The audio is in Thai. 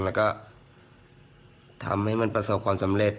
แล้วก็ทำให้มันประสบความสำเร็จ